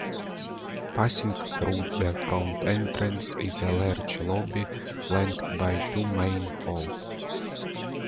Passing through the front entrance is a large lobby flanked by two main halls.